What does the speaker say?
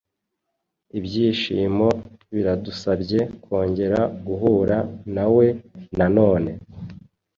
Ibyishimo biradusabye kongera guhura nawe nanone."